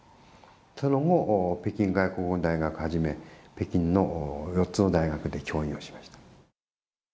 その後、北京外国語大学をはじめ、北京の４つの大学で教員をしました。